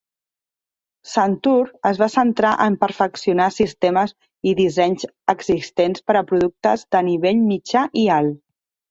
SunTour es va centrar en perfeccionar sistemes i dissenys existents per a productes de nivell mitjà i alt.